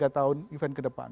dua tiga tahun event kedepan